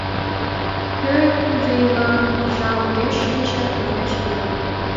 — Кӧ кузе ила, кугыжа огеш шинче, — манеш тудо.